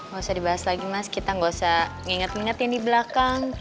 gak usah dibahas lagi mas kita gak usah nginget nginget yang di belakang